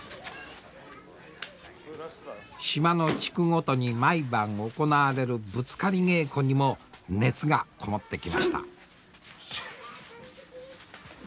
島の地区ごとに毎晩行われるぶつかり稽古にも熱がこもってきました。